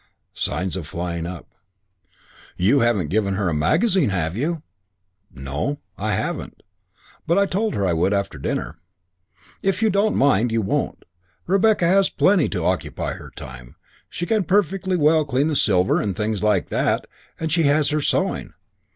Signs of "flying up." "You haven't given her a magazine, have you?" "No I haven't. But I told her I would after dinner." "If you don't mind you won't. Rebecca has plenty to occupy her time. She can perfectly well clean the silver and things like that, and she has her sewing.